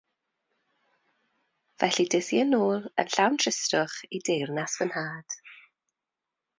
Felly des i yn ôl, yn llawn tristwch, i deyrnas fy nhad.